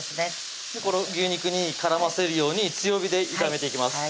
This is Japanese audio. この牛肉に絡ませるように強火で炒めていきます